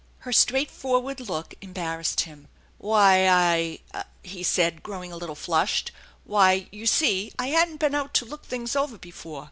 Her straightforward look embarrassed him. " Why, I " he said, growing a little flushed. " Why, you see I hadn't been out to look things over before.